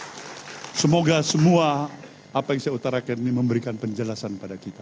hai semoga semua apa yang seutara kami memberikan penjelasan pada kita